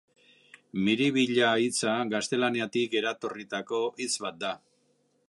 Miribilla hitza gaztelaniatik eratorritako hitz bat da.